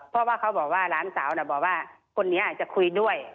เพราะว่าเขาบอกว่าหลานสาวบอกว่าคนนี้อาจจะคุยด้วย